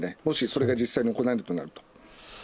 もし、これが実際に行われるとなると。